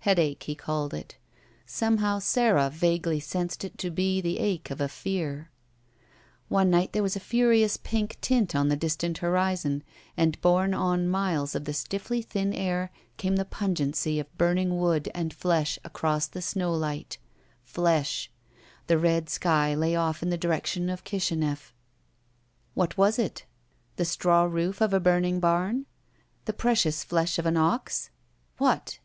Headache, he called it. Somehow Sara vaguely sensed it to be the ache of a fear. One night there was a furious pink tint on the distant horizon, and borne on miles of the stiffly thin air came the pungency of burning wood and flesh across the snowlight. Flesh ! The red sky lay off in the direction of Kishinef . What was it ? The straw roof of a burning bam? The precious flesh of an ox? What?